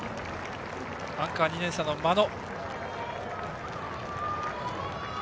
アンカー、２年生の間野。